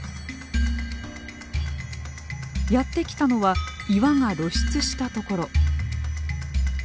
やって来たのは岩が露出したところ。